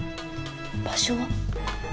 場所は？